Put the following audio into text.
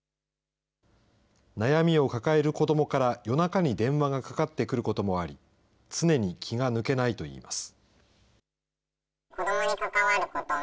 悩みを抱える子どもから夜中に電話がかかってくることもあり、常に気が抜けないといいます。